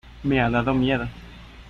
me ha dado miedo.